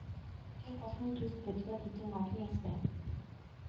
Тэр бол хүн төст бодгалиудын гавлын яс байв.